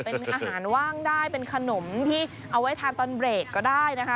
เป็นอาหารว่างได้เป็นขนมที่เอาไว้ทานตอนเบรกก็ได้นะคะ